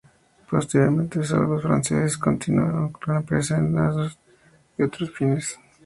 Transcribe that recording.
Posteriormente, sólo los franceses continuaron con la empresa, en aras de otros fines.